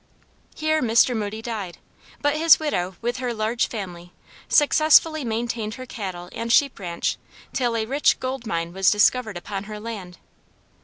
Here Mr. Moody died; but his widow with her large family successfully maintained her cattle and sheep ranche till a rich gold mine was discovered upon her land.